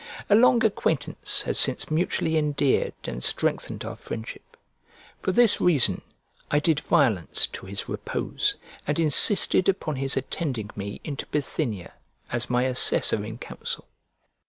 A long acquaintance has since mutually endeared and strengthened our friendship. For this reason I did violence to his repose, and insisted upon his attending me into Bithynia, as my assessor in council.